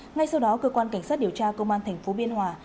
ngay sau đó cơ quan cảnh sát điều tra công an tp biên hòa